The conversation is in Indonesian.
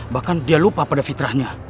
bahkan dia lupa pada fitrahnya